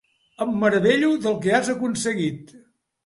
Em meravello del que has aconseguit.